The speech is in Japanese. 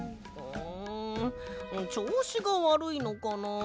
んちょうしがわるいのかなあ？